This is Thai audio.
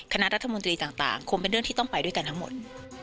คณะรัฐมนตรีต่างคงเป็นเรื่องที่ต้องไปด้วยกันทั้งหมด